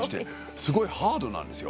すごいハードなんですよ。